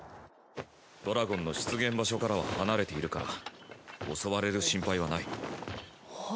ドラゴンの出現場所からは離れているから襲われる心配はない。